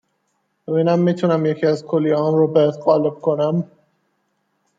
ببینم می تونم یکی از کلیه هام رو بهت قالب کنم